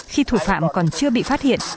khi thủ phạm còn chưa bị phát hiện